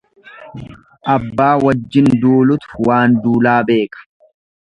Abbaa wajjin duulutu waan duulaa beeka.